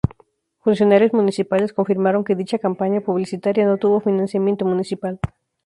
Funcionarios municipales confirmaron que dicha campaña publicitaria no tuvo financiamiento municipal.